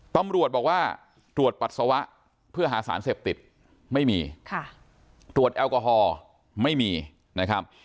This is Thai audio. ตำรวจบอกว่าตรวจปัสสาวะเพื่อหาสารเสพติดไม่มีตรวจแอลกอฮอล์ไม่มีนะครับ